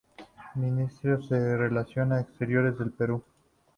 Ministerio de Relaciones Exteriores del Perú